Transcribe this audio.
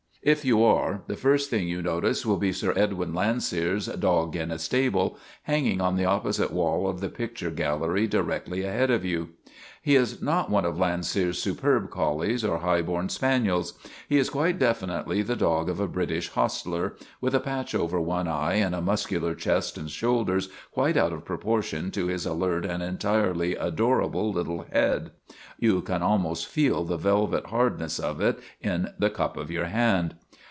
If you are, the first thing you notice will be Sir Edwin Landseer's " Dog in a Stable " hanging on the opposite wall of the picture gallery directly ahead of you. He is not one of Landseer's superb collies or high born spaniels. He is quite definitely the dog of a British hostler, with a patch over one eye and a muscular chest and shoulders quite out of proportion to his alert and entirely adorable little head. (You can almost feel the velvet hardness of it in the cup of your hand.)